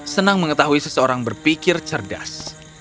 senang mengetahui seseorang berpikir cerdas